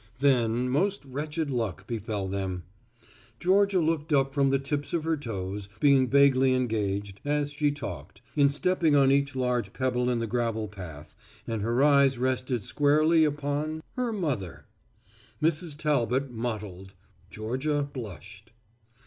Then most wretched luck befell them. Georgia looked up from the tips of her toes, being vaguely engaged, as she talked, in stepping on each large pebble in the gravel path and her eyes rested squarely upon her mother. Mrs. Talbot mottled; Georgia blushed.